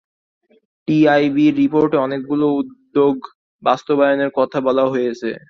টিআইবির রিপোর্টে অনেকগুলো উদ্যোগ বাস্তবায়নের কথা বলা হয়েছে।